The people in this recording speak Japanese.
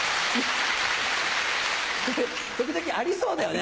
時々ありそうだよね。